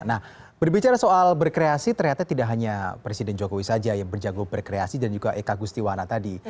nah berbicara soal berkreasi ternyata tidak hanya presiden jokowi saja yang berjago berkreasi dan juga eka gustiwana tadi